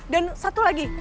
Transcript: dan satu lagi